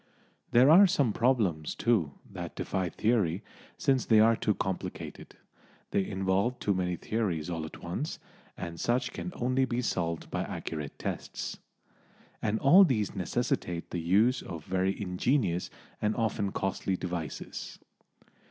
There are some problems, too, that defy theory, since they are too complicated; they involve too many theories all at once, and such can only be solved by accurate tests. And all these necessitate the use of very ingenious and often costly devices.